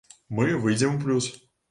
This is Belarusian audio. Мы выйдзем у плюс.